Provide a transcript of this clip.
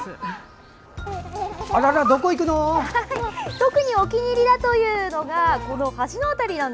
特にお気に入りだというのがこの橋の辺り。